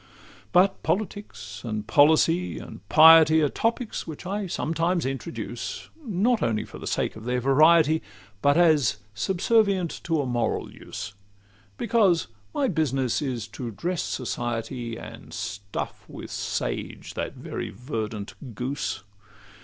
But politics, and policy, and piety, Are topics which I sometimes introduce, Not only for the sake of their variety, But as subservient to a moral use; Because my business is to dress society, And stuff with sage that very verdant goose.